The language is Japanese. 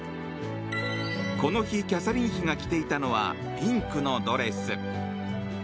この日キャサリン妃が着ていたのはピンクのドレス。